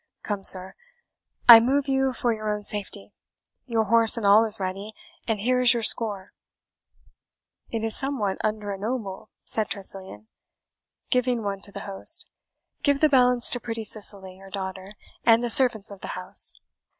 Come, sir, I move you for your own safety. Your horse and all is ready, and here is your score." "It is somewhat under a noble," said Tressilian, giving one to the host; "give the balance to pretty Cicely, your daughter, and the servants of the house."